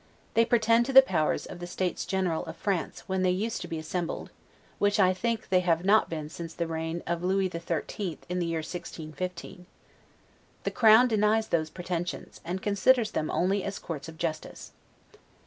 They pretend to the powers of the States General of France when they used to be assembled (which, I think, they have not been since the reign of Lewis the Thirteenth, in the year 1615). The Crown denies those pretensions, and considers them only as courts of justice.